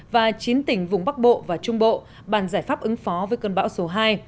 và chín tỉnh vùng bắc bộ và trung bộ bàn giải pháp ứng phó với cơn bão số hai